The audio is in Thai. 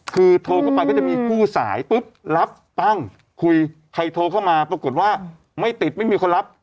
คือโทรเข้าไปก็จะมีคู่สายปุ๊บรับปั้งคุยใครโทรเข้ามาปรากฏว่าไม่ติดไม่มีคนรับ